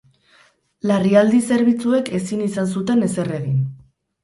Larrialdi zerbitzuek ezin izan zuten ezer egin.